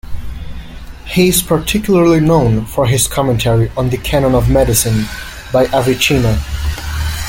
He is particularly known for his commentary on "The Canon of Medicine" by Avicenna.